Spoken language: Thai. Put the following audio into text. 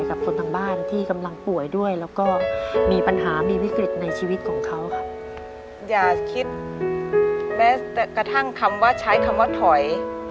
กระทั่งคำว่าใช้คำว่าถอย